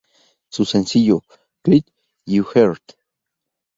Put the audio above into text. Su sencillo "Click Your Heart!!